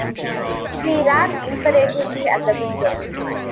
She rapped imperatively at the window.